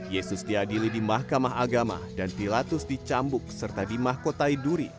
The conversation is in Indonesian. yesus diadili di mahkamah agama dan pilatus dicambuk serta dimahkotai duri